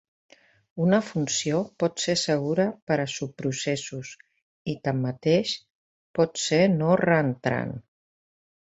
Una funció pot ser segura per a subprocessos i, tanmateix, pot ser no reentrant.